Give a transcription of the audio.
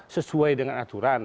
sesuai dengan aturan